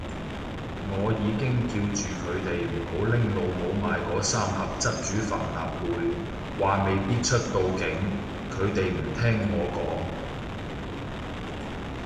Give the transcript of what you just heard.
我已經叫住佢哋唔好拎老母買嗰三盒汁煮帆立貝，話未必出到境，佢哋唔聽我講